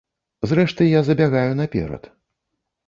Зрэшты, я забягаю наперад.